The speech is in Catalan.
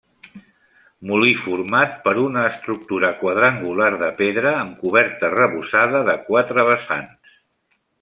Molí format per una estructura quadrangular de pedra, amb coberta arrebossada de quatre vessants.